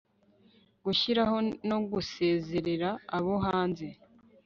gushyiraho no gusezerera abo hanze